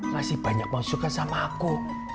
ngasih banyak mau suka sama aku